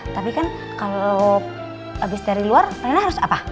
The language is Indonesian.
tapi kan kalo abis dari luar riana harus apa